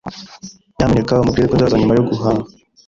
Nyamuneka umubwire ko nzaza nyuma yo guhaha